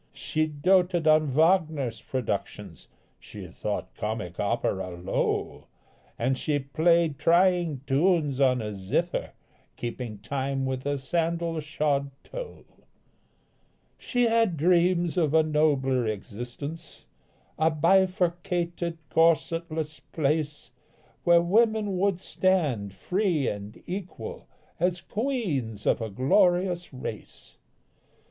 She doted on Wagner's productions, She thought comic opera low, And she played trying tunes on a zither, Keeping time with a sandal shod toe. She had dreams of a nobler existence A bifurcated, corsetless place, Where women would stand free and equal As queens of a glorious race.